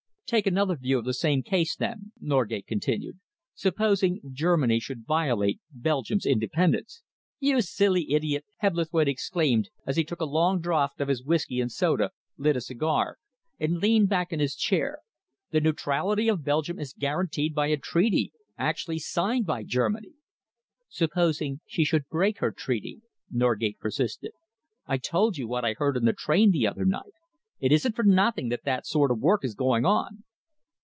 "Take another view of the same case, then," Norgate continued. "Supposing Germany should violate Belgium's independence?" "You silly idiot!" Hebblethwaite exclaimed, as he took a long draught of his whisky and soda, lit a cigar, and leaned back in his chair, "the neutrality of Belgium is guaranteed by a treaty, actually signed by Germany!" "Supposing she should break her treaty?" Norgate persisted. "I told you what I heard in the train the other night. It isn't for nothing that that sort of work is going on."